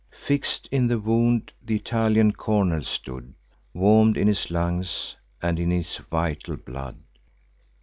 Fix'd in the wound th' Italian cornel stood, Warm'd in his lungs, and in his vital blood.